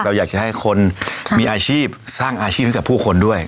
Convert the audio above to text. อยากจะให้คนมีอาชีพสร้างอาชีพให้กับผู้คนด้วย